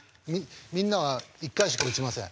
みんなは１回しか打ちません。